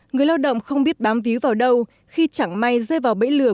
người lao động không biết bám víu vào đâu khi chẳng may rơi vào bẫy lừa